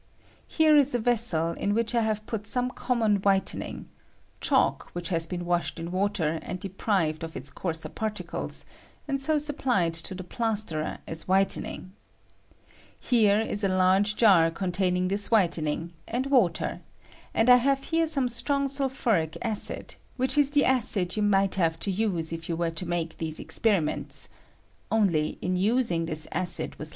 Here is a vessel in which I have put some common whitening — chalk which has been washed in water and deprived of ite coarser particles, and so supplied to the plasterer as whitening — here is a large jar con taining this whitening and water; and I have here some strong sulphuric acid, which is the acid you might have to use if you were to make these experiments (only, in using this acid with 1 PEEPARATION OP CAHBOKIC ACID.